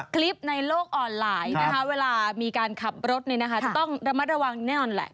ในโลกออนไลน์นะคะเวลามีการขับรถจะต้องระมัดระวังแน่นอนแหละ